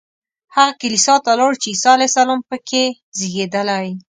هغه کلیسا ته لاړو چې عیسی علیه السلام په کې زېږېدلی.